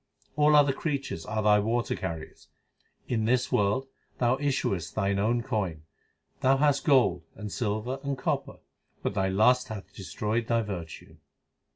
All other creatures are thy water carriers. In this world thou issuest thine own coin. 2 Thou hast gold, and silver, and copper ; But thy lust hath destroyed thy virtue.